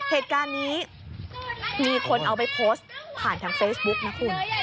เหตุการณ์นี้มีคนเอาไปโพสต์ผ่านทางเฟซบุ๊กนะคุณ